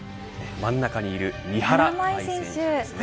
真ん中にいる三原舞依選手ですね。